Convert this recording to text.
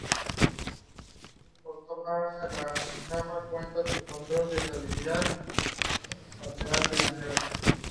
Por corto tiempo fue comandante militar del departamento Tulumba.